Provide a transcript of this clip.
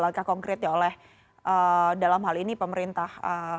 langkah konkretnya oleh dalam hal ini pemerintah